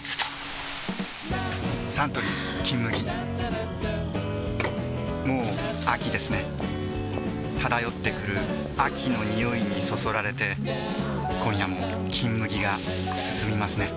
サントリー「金麦」もう秋ですね漂ってくる秋の匂いにそそられて今夜も「金麦」がすすみますね